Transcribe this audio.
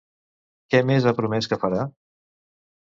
Què més ha promès que farà?